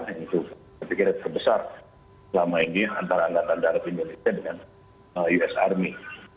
yang itu pikiran terbesar selama ini antara negara negara indonesia dengan us army